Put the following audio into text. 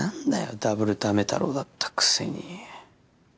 ダブルダメ太郎だったくせに。